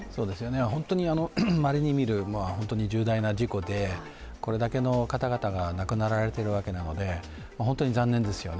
本当にまれに見る本当に重大な事故で、これだけの方々が亡くなられているわけなので本当に残念ですね。